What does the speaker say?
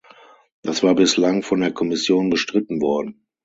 Das war bislang von der Kommission bestritten worden.